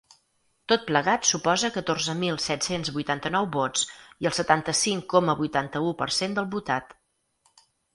Tot plegat suposa catorze mil set-cents vuitanta-nou vots i el setanta-cinc coma vuitanta-u per cent del votat.